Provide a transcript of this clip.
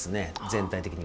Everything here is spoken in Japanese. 全体的に。